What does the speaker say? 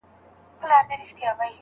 اوسېدونکو افغانانو ټلیفون راته وکړ